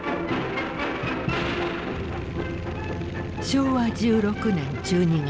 昭和１６年１２月。